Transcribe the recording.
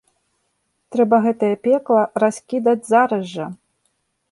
Трэба гэтае пекла раскідаць зараз жа.